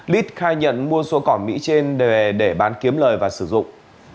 lít khai nhận mua số cỏ mỹ trên để bán kiếm lời và sử dụng